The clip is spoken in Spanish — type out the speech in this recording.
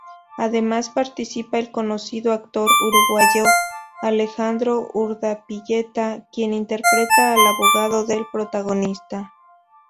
Además participa el conocido actor uruguayo Alejandro Urdapilleta, quien interpreta al abogado del protagonista.